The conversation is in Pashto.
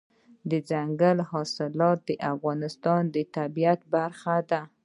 دځنګل حاصلات د افغانستان د طبیعت برخه ده.